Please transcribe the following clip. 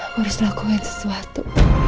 aku harus lakuin sesuatu